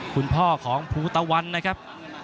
คุณพ่อของภูตะวันนะครับ